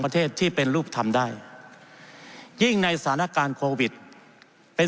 ประเทศที่เป็นรูปทำได้ยิ่งในสถานการณ์โควิดเป็น